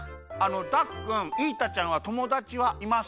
ダクくんイータちゃんはともだちはいますか？